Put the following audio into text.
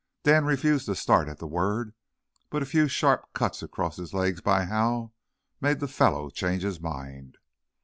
Dan refused to start at the word, but a few sharp cuts across his legs by Hal made the fellow change his mind.